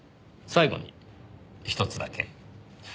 最後にひとつだけ。